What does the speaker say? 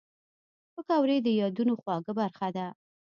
پکورې د یادونو خواږه برخه ده